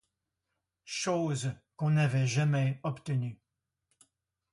Chose qu'on n'avait jamais obtenue.